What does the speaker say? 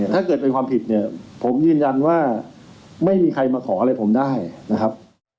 ถ้าเกิดเป็นความผิดเนี่ยผมยืนยันว่าไม่มีใครมาขออะไรผมได้นะครับ